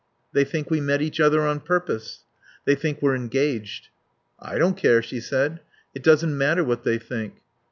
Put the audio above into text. They think we met each other on purpose. They think we're engaged." "I don't care," she said. "It doesn't matter what they think."